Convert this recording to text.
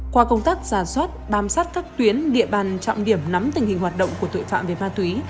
qua công tác giả soát bám sát các tuyến địa bàn trọng điểm nắm tình hình hoạt động của tội phạm về ma túy